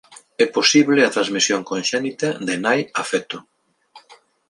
É posible a transmisión conxénita de nai a feto.